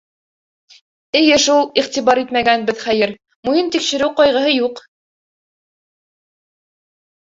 — Эйе шул, иғтибар итмәгәнбеҙ, хәйер, муйын тикшереү ҡайғыһы юҡ.